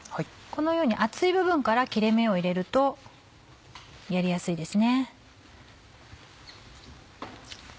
このように厚い部分から切れ目を入れるとやりやすいですね。